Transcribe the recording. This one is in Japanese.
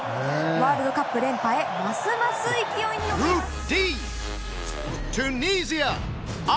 ワールドカップ連覇へますます勢いに乗っています。